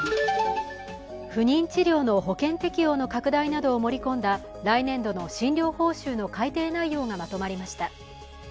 不妊治療の保険適用の拡大などを盛り込んだ来年度の診療報酬の改定内容がまとまりました。